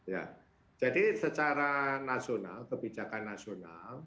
ya jadi secara nasional kebijakan nasional